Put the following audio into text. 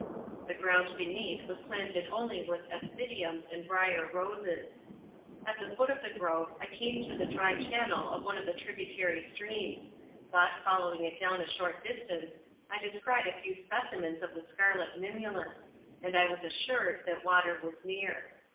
The ground beneath was planted only with aspidiums and brier roses. At the foot of the grove I came to the dry channel of one of the tributary streams, but, following it down a short distance, I descried a few specimens of the scarlet mimulus; and I was assured that water was near.